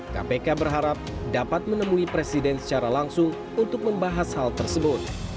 kpk berharap dapat menemui presiden secara langsung untuk membahas hal tersebut